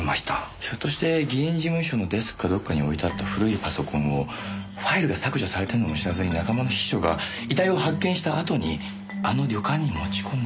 ひょっとして議員事務所のデスクかどっかに置いてあった古いパソコンをファイルが削除されてるのも知らずに仲間の秘書が遺体を発見したあとにあの旅館に持ち込んだ。